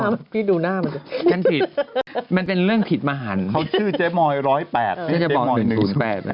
มีใครมันพี่หนุ่มดู